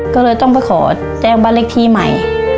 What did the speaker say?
ก็เลยต้องไปขอแจ้งบ้านเลขที่ใหม่